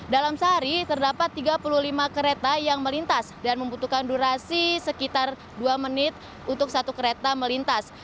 dalam sehari terdapat tiga puluh lima kereta yang melintas dan membutuhkan durasi sekitar dua menit untuk satu kereta melintas